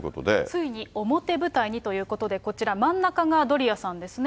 ついに表舞台にということで、こちら、真ん中がドリアさんですね。